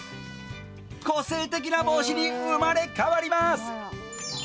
個性的な帽子に生まれ変わります。